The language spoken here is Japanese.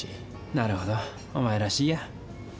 なるほどお前らしいや。